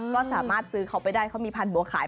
ก็สามารถซื้อเขาไปได้เขามีพันบัวขาย